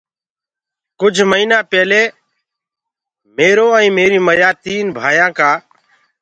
ڪجھ مهيٚنا پيلي ميرو ائيٚنٚ ميريٚ مَيآ تينٚ ڀآيآنٚ ڪآ